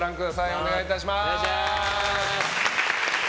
お願いいたします！